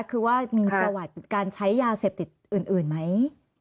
คือว่ามีประวัติการใช้ยาเสพติดอื่นไหม